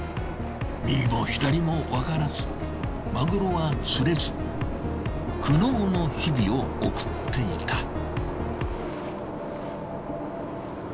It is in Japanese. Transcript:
右も左もわからずマグロは釣れず苦悩の日々を送っていた。